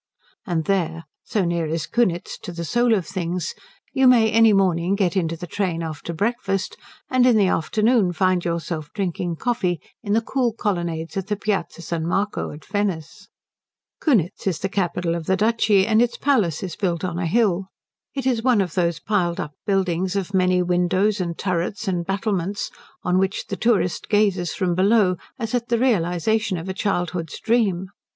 And there, so near is Kunitz to the soul of things, you may any morning get into the train after breakfast and in the afternoon find yourself drinking coffee in the cool colonnades of the Piazza San Marco at Venice. Kunitz is the capital of the duchy, and the palace is built on a hill. It is one of those piled up buildings of many windows and turrets and battlements on which the tourist gazes from below as at the realization of a childhood's dream.